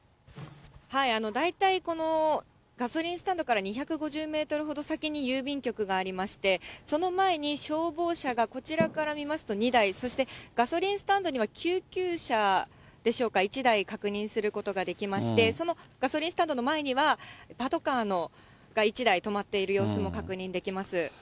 大体このガソリンスタンドから２５０メートルほど先に郵便局がありまして、その前に消防車がこちらから見ますと２台、そしてガソリンスタンドには救急車でしょうか、１台確認することができまして、そのガソリンスタンドの前には、パトカーが１台止まっている様子も確認できます。